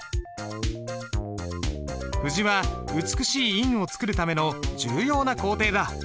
布字は美しい印を作るための重要な工程だ。